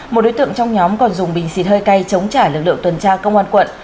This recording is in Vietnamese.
một đối tượng trong nhóm còn dùng bình xịt hơi cay chống trả lực lượng tuần tra công an quận